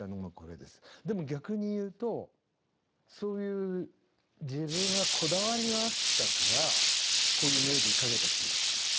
でも逆に言うとそういう自分がこだわりがあったからこういうメロディー書けた気がします。